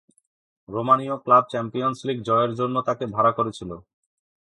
রোমানীয় club Champions League জয়ের জন্য তাকে ভাড়া করেছিল।